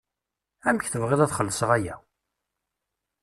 Amek tebɣiḍ ad xellṣeɣ aya?